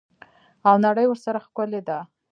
او نړۍ ورسره ښکلې ده.